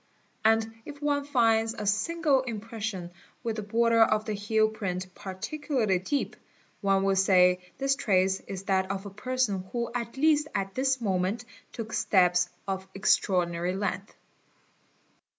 And if one finds a single impression with the border of the heel print particularly deep, one will say this trace — is that of a person who at least at this moment took steps of extra ordinary length.